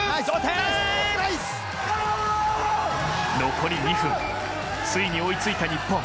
残り２分ついに追いついた日本。